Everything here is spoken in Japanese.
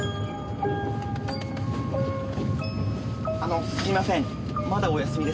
あのすいませんまだお休みですか？